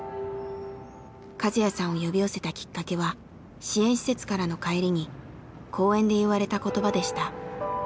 和哉さんを呼び寄せたきっかけは支援施設からの帰りに公園で言われた言葉でした。